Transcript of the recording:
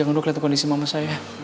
jangan dok liat kondisi mama saya